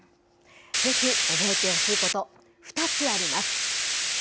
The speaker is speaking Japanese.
ぜひ覚えてほしいこと、２つあります。